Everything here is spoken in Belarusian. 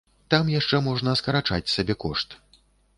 Там яшчэ можна скарачаць сабекошт.